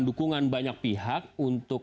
dukungan banyak pihak untuk